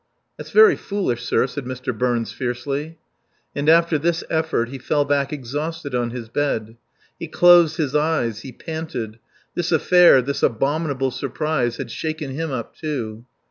"That's very foolish, sir," said Mr. Burns fiercely. And after this effort he fell back exhausted on his bed. He closed his eyes, he panted; this affair, this abominable surprise had shaken him up, too.